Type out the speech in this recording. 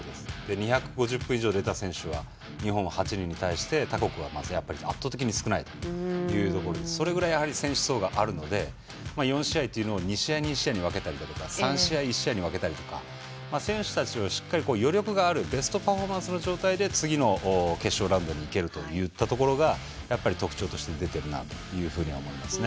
２５０分以上出た選手は日本が８人に対して、他国は圧倒的に少ないというところでそれぐらい選手層があるので４試合というのを２試合、２試合に分けたりだとか３試合１試合に分けたりとか選手たちに余力があるベストパフォーマンスの状態で次の決勝ラウンドに行けるというのが特徴として出ているなと思いますね。